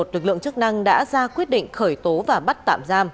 lực lượng chức năng đã ra quyết định khởi tố và bắt tạm giam